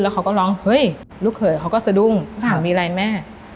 เขาก็ร้องเฮ้ยลูกเขยเขาก็สะดุ้งถามมีอะไรแม่